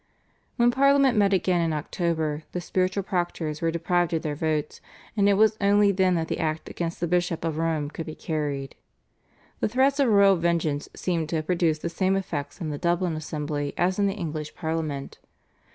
When Parliament met again in October the spiritual proctors were deprived of their votes, and it was only then that the Act against the Bishop of Rome could be carried. The threats of royal vengeance seem to have produced the same effects in the Dublin assembly as in the English Parliament.